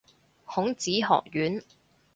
孔子學院